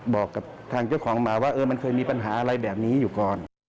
บอกกับทางเจ้าของหมาว่ามันเคยมีปัญหาอะไรแบบนี้อยู่ก่อน